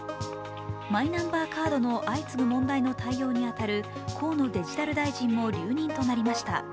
マイナンバーカードの相次ぐ問題の対応に当たる河野デジタル大臣も留任となりました。